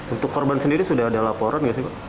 untuk korban sendiri sudah ada laporan nggak sih pak